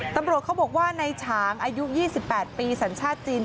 ตำรวจเขาบอกว่าในฉางอายุ๒๘ปีสัญชาติจีน